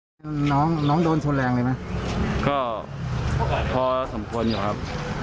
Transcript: เป็นน้องน้องโดนชนแรงเลยไหมก็พอสมควรอยู่ครับ